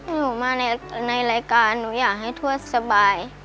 หนูมาในรายการหนูอยากให้ทวดสบาย